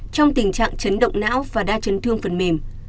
trong tình trạng chấn động não và đa chấn thương phần mềm